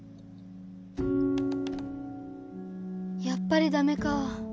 やっぱりダメか。